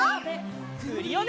クリオネ！